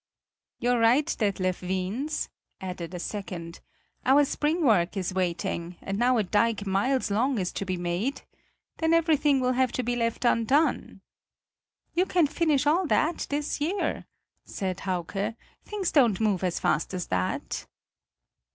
"You're right, Detlev Wiens," added a second; "our spring work is waiting, and now a dike miles long is to be made? then everything will have to be left undone." "You can finish all that this year," said Hauke; "things don't move as fast as that."